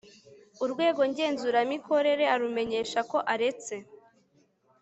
urwego ngenzuramikorere arumenyesha ko aretse